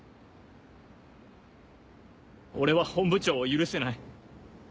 俺は本部長を許せない。